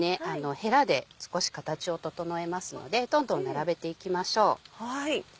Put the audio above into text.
ヘラで少し形を整えますのでどんどん並べていきましょう。